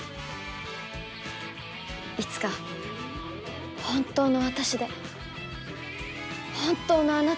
いつか本当の私で本当のあなたに。